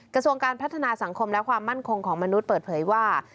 กระทรวงการพัฒนาสังคมและความมั่นคงของมนุษย์เปิดเผยว่า